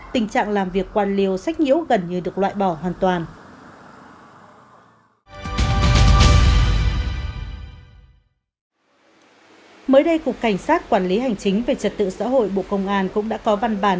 tình trạng làm việc quan liều sách nhiếu gần như được loại bỏ hoàn toàn